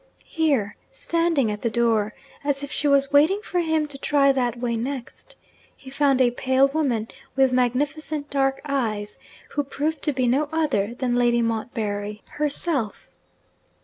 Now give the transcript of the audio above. Here, standing at the door (as if she was waiting for him to try that way next), he found a pale woman with magnificent dark eyes, who proved to be no other than Lady Montbarry herself.